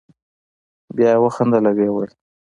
بیا یې وخندل او ویې ویل.